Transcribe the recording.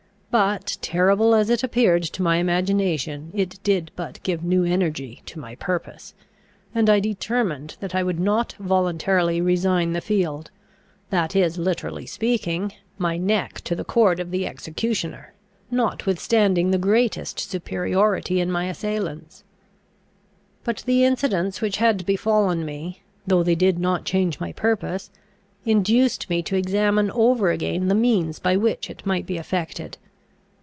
But, terrible as it appeared to my imagination, it did but give new energy to my purpose; and I determined that I would not voluntarily resign the field, that is, literally speaking, my neck to the cord of the executioner, notwithstanding the greatest superiority in my assailants. But the incidents which had befallen me, though they did not change my purpose, induced me to examine over again the means by which it might be effected.